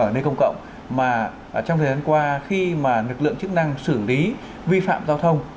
ở nơi công cộng mà trong thời gian qua khi mà lực lượng chức năng xử lý vi phạm giao thông